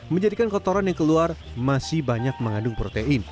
menjadikan kotoran yang keluar masih banyak mengandung protein